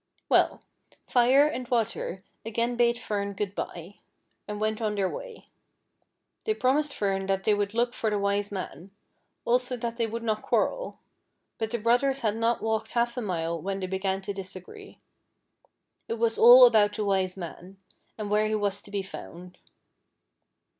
Well, Fire and Water again bade Fern good bye, and went on their way. They promised Fern that they would look for the Wise Man, also that they would not quarrel ; but the brothers had not walked half a mile when they began to disagree. It was all about the Wise Man, and where he was to be found.